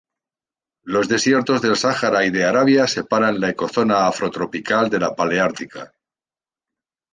Los desiertos del Sahara y de Arabia separan la ecozona afrotropical de la paleártica.